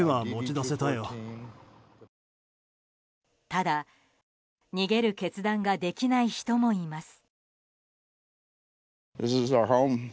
ただ、逃げる決断ができない人もいます。